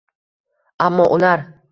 Ammo ular